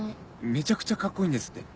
めちゃくちゃかっこいいんですって。